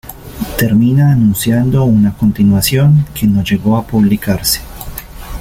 Termina anunciando una continuación, que no llegó a publicarse.